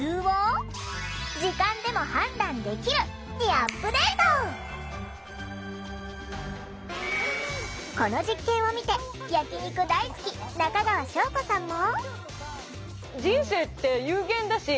焼き肉のこの実験を見て焼き肉大好き中川翔子さんも。